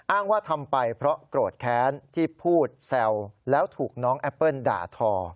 ว่าทำไปเพราะโกรธแค้นที่พูดแซวแล้วถูกน้องแอปเปิ้ลด่าทอ